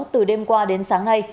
từ đêm qua đến sáng nay